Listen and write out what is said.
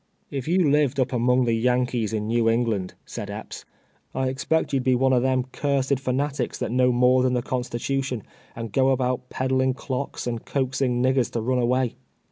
" If you lived u}) among the Yankees in Xew England," said Ej^ps, "I expect you'd be one of them cursed fanatics that know more than the constitution, and go about peddling clocks and coaxing uiggere to run away."